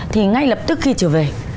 thì ngay lập tức khi trở về